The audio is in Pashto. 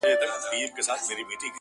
زه یې نه سمه لیدلای چي ستا ښکار وي!!